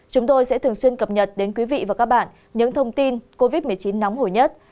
chúng tôi sẽ thường xuyên cập nhật đến quý vị và các bạn những thông tin covid một mươi chín nóng hồi nhất